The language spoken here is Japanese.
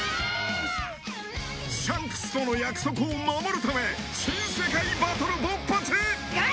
シャンクスとの約束を守るため新世界バトル勃発！